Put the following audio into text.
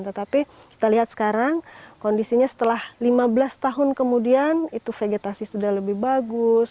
tetapi kita lihat sekarang kondisinya setelah lima belas tahun kemudian itu vegetasi sudah lebih bagus